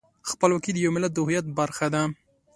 خپلواکي د یو ملت د هویت برخه ده.